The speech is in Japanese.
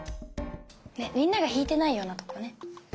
みんなが引いてないようなとこね。